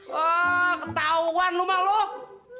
wah ketauan lu mak loh